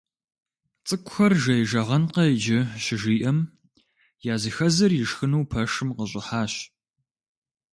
ЦӀыкӀухэр жеижагъэнкъэ иджы щыжиӀэм, языхэзыр ишхыну пэшым къыщӀыхьащ.